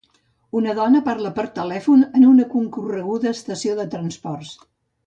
Una dona parla per telèfon en una concorreguda estació de transports.